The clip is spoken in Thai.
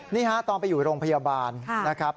นี่ฮะตอนไปอยู่โรงพยาบาลนะครับ